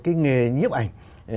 cái nghề nhiếp ảnh